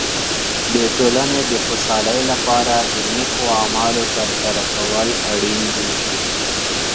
د ټولنې د خوشحالۍ لپاره د نیکو اعمالو تر سره کول اړین دي.